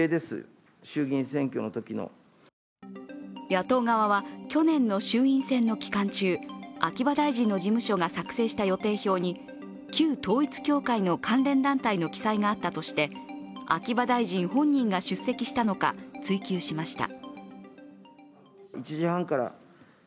野党側は去年の衆院選の期間中秋葉大臣の事務所が作成した予定表に旧統一教会の関連団体の記載があったとして秋葉大臣本人が出席したのか追及しました。